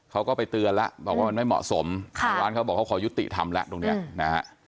เขาก็ไปเตือนแล้วบอกว่ามันไม่เหมาะสมทางร้านเขาบอกเขาขอยุติธรรมแล้วตรงนี้นะฮะ